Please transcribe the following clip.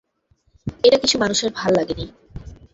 এটা কিছু মানুষের ভাল্লাগেনি।